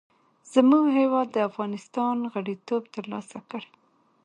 زموږ هېواد افغانستان غړیتوب تر لاسه کړ.